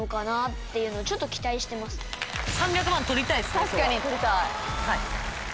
確かに獲りたい！